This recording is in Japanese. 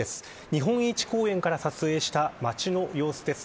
日本一公園から撮影した町の様子です。